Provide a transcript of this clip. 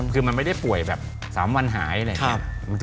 คือมันไม่ได้ป่วยแบบ๓วันหายอะไรอย่างนี้